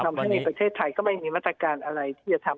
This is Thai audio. อันนี้มันทำให้ในประเทศไทยก็ไม่มีมตัการอะไรที่จะทำ